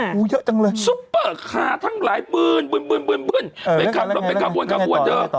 บุญเบิ้ลไปขาวนลองเรียกต่อ